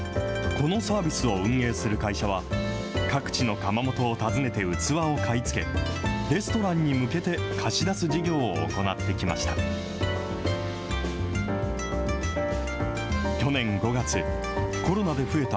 このサービスを運営する会社は、各地の窯元を訪ねて器を買い付け、レストランに向けて貸し出す事業を行ってきました。